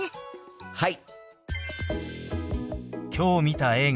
はい！